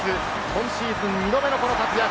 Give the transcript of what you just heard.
今シーズン２度目のこの活躍。